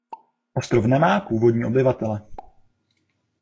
Ostrov nemá původní obyvatele.